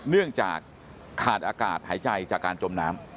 เนื่องจากขาดอากาศหายใจจากการจมน้ำ